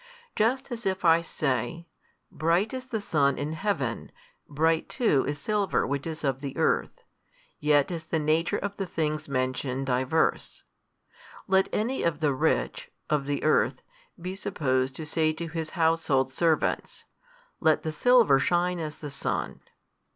Just as if I say, Bright is the sun in Heaven, bright too is silver which is of the earth, yet is the nature of the things mentioned diverse. Let |263 any of the rich, of the earth, be supposed to say to his household servants, Let the silver shine as the sun.